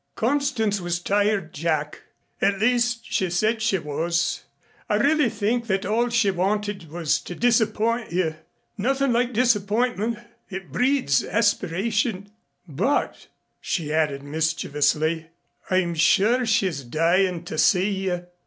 "Constance was tired, Jack. At least she said she was. I really think that all she wanted was to disappoint you. Nothing like disappointment. It breeds aspiration. But," she added mischievously, "I'm sure she's dying to see you.